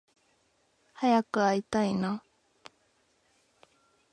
早く会いたいな